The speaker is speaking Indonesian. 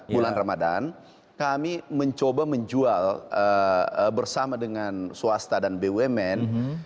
bulan ramadan kami mencoba menjual bersama dengan swasta dan bumn